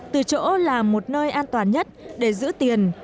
từ chỗ là một nơi an toàn nhất để giữ tiền